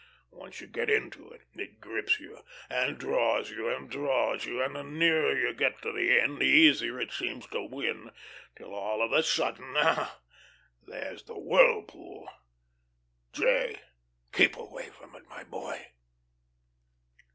Once you get into it, it grips you and draws you and draws you, and the nearer you get to the end the easier it seems to win, till all of a sudden, ah! there's the whirlpool.... 'J.,' keep away from it, my boy."